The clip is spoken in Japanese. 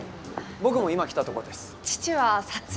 僕も今来たとこです。